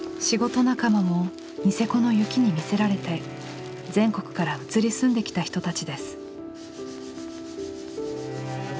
仕事仲間もニセコの雪に魅せられて全国から移り住んできた人たちです。